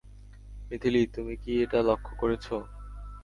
মিথিলি, তুমি কি এটা লক্ষ্য করেছো?